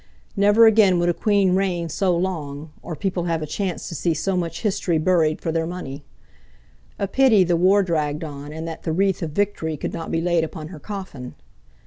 Never again would a Queen reign so long, or people have a chance to see so much history buried for their money. A pity the war dragged on, and that the Wreath of Victory could not be laid upon her coffin!